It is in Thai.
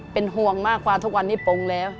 เป็นห่วงมากกว่าทุกวันนี้ปงแล้ว